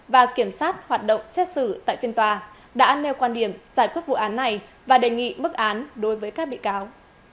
và kiểm sát hoạt động xét xử tại phiên tòa đã nêu quan điểm giải quyết vụ án này và đề nghị mức án đối với các bị cáo